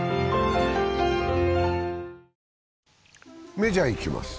メジャーいきます。